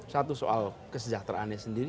satu soal kesejahteraannya sendiri